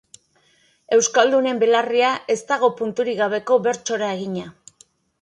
Euskaldunen belarria ez dago punturik gabeko bertsora egina.